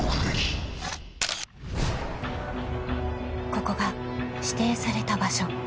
［ここが指定された場所］